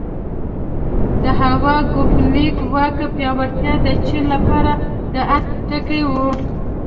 د هوا ګوفینګ واک پیاوړتیا د چین لپاره د عطف ټکی و.